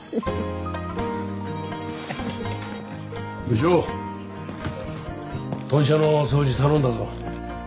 部長豚舎の掃除頼んだぞ。